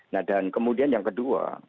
nah dan kemudian yang kedua